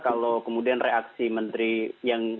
kalau kemudian reaksi menteri yang